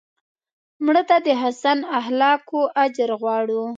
مړه ته د حسن اخلاقو اجر غواړو